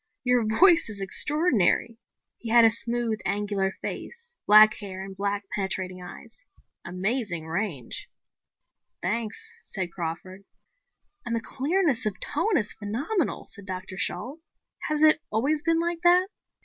"Your voice is extraordinary." He had a smooth, angular face, black hair and black, penetrating eyes. "Amazing range." "Thanks," said Crawford. "And the clearness of tone is phenomenal," said Dr. Shalt. "Has it always been like that?"